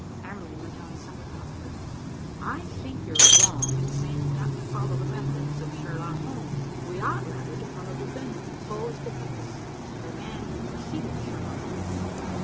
Hamerly went on somewhat thoughtfully. "I think you are wrong in saying we ought to follow the methods of Sherlock Holmes. We ought rather to follow Dupin, Poe's detective, the man who preceded Sherlock Holmes.